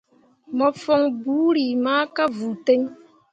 Me fon buuri ma ka vuu ten.